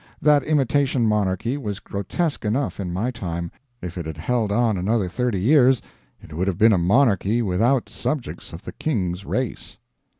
That imitation monarchy, was grotesque enough, in my time; if it had held on another thirty years it would have been a monarchy without subjects of the king's race.